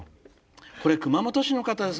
これ熊本市の方です。